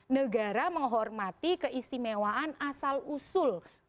negara menghormati keistimewaan asal usul